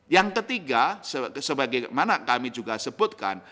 yang ketiga sebagaimana kami juga sebutkan